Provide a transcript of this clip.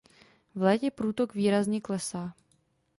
V létě průtok výrazně klesá.